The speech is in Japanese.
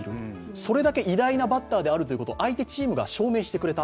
それだけ偉大なバッターであることを相手チームが証明してくれた。